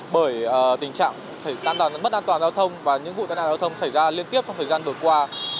bởi tình trạng mất an toàn giao thông và những vụ tai nạn giao thông xảy ra liên tiếp trong thời gian vừa qua